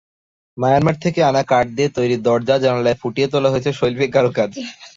Myanmar থেকে আনা কাঠ দিয়ে তৈরি দরজা-জানালায় ফুটিয়ে তোলা হয়েছে শৈল্পিক কারুকাজ।